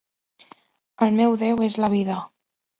El meu déu és la vida.